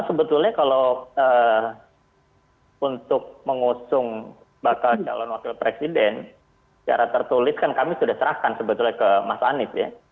sebetulnya kalau untuk mengusung bakal calon wakil presiden secara tertulis kan kami sudah serahkan sebetulnya ke mas anies ya